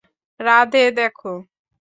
রাধে, দেখ।